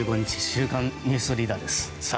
「週刊ニュースリーダー」です。